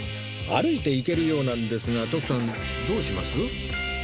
歩いて行けるようなんですが徳さんどうします？